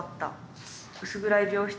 薄暗い病室。